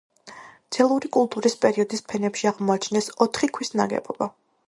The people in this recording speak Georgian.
ძელური კულტურის პერიოდის ფენებში აღმოაჩინეს ოთხი ქვის ნაგებობა.